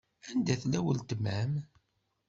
Anda tella weltma-m?